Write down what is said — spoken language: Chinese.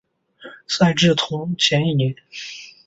赛制同前一年。